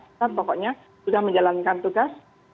kita pokoknya sudah menjalankan tugas